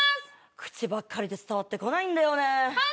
口ばっかりで伝わってこないんでね。